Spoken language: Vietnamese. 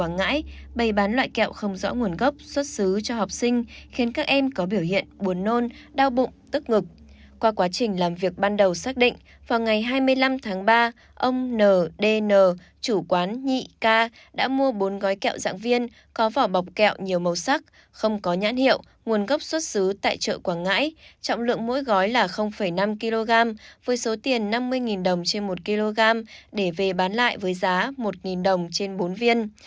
nguồn gốc xuất xứ tại chợ quảng ngãi trọng lượng mỗi gói là năm kg với số tiền năm mươi đồng trên một kg để về bán lại với giá một đồng trên bốn viên